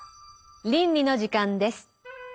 倫理の時間です。